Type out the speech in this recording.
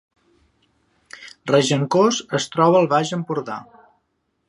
Regencós es troba al Baix Empordà